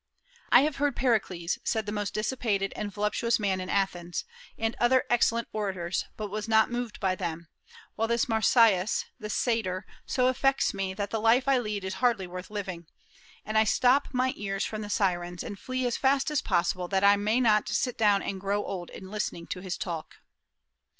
"I have heard Pericles," said the most dissipated and voluptuous man in Athens, "and other excellent orators, but was not moved by them; while this Marsyas this Satyr so affects me that the life I lead is hardly worth living, and I stop my ears as from the Sirens, and flee as fast as possible, that I may not sit down and grow old in listening to his talk."